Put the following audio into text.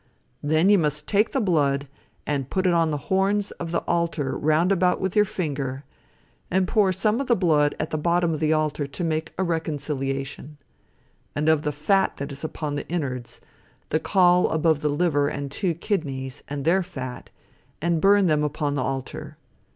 Then you must take the blood and put it upon the horns of the altar round about with your finger, and pour some blood at the bottom of the altar to make a reconciliation; and of the fat that is upon the inwards, the caul above the liver and two kidneys, and their fat, and burn them upon the altar.